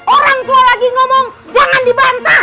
orang tua lagi ngomong jangan dibantah